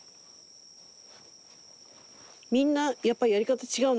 みんなやっぱりやり方違うのかな？